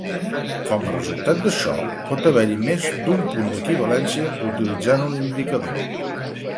Com a resultat d'això, pot haver-hi més d'un punt d'equivalència utilitzant un indicador.